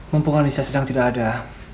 mumpung anissa sedang tidak ada